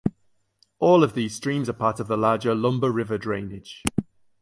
All of these streams are part of the larger Lumber River drainage.